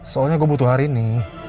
soalnya gue butuh hari ini